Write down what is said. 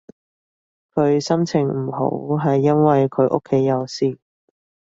佢心情唔好係因為佢屋企有事